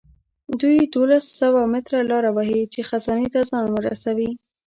دوی دولس سوه متره لاره وهي چې خزانې ته ځان ورسوي.